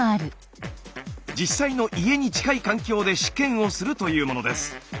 実際の家に近い環境で試験をするというものです。